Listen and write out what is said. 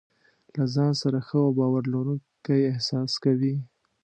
له ځان سره ښه او باور لرونکی احساس کوي.